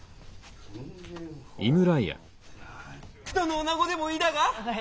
どの女子でもいいだが！